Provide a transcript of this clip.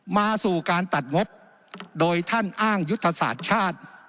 มาสู่การตัดงบโดยท่านอ้างยุทธศาสตร์ชาติ